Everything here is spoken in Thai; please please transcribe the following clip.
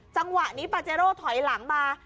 จังหวะนี้ปาเจโร่ถอยหลังมา